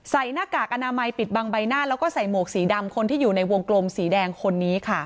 หน้ากากอนามัยปิดบังใบหน้าแล้วก็ใส่หมวกสีดำคนที่อยู่ในวงกลมสีแดงคนนี้ค่ะ